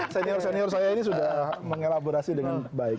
senior senior saya ini sudah mengelaborasi dengan baik